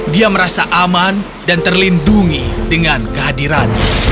dia merasa aman dan terlindungi dengan kehadirannya